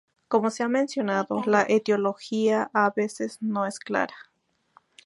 Como se ha mencionado, la etiología a veces no es clara.